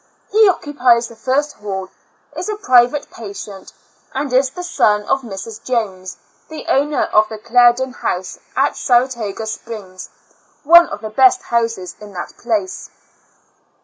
He occupies the first hall; is a private patient, and is the son of Mrs. Jones, the owner of the Clarendon House at Saratoga Springs — one of the best houses in that place.